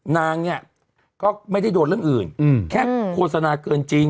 นางเนี่ยก็ไม่ได้โดนเรื่องอื่นแค่โฆษณาเกินจริง